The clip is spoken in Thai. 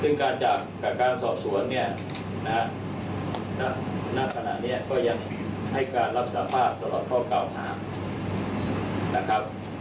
ซึ่งการจากการสอบสวนเนี่ยนะณขณะนี้ก็ยังให้การรับสาภาพตลอดข้อเก่าหานะครับ